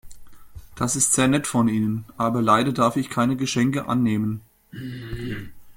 Das ist sehr nett von Ihnen, aber leider darf ich keine Geschenke annehmen.